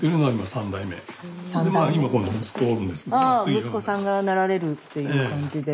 ああ息子さんがなられるっていう感じで。